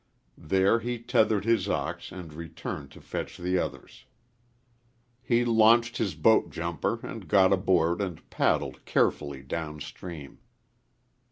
There he tethered his ox and returned to fetch the others. He launched his boat jumper and got aboard and paddled carefully down stream.